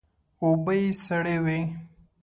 اوبه یې سړې وې.